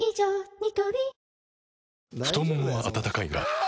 ニトリ太ももは温かいがあ！